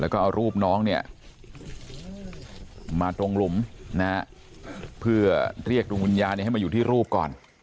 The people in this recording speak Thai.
แล้วก็เอารูปน้องเนี่ยมาตรงหลุมเพื่อเรียกดวงวิญญาณให้มาอยู่ที่รูปก่อน